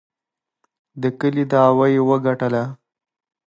د کلي دعوه یې وګټله.